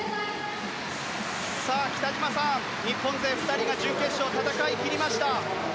北島さん、日本勢２人が準決勝戦い切りました。